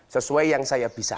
sesuai yang saya bisa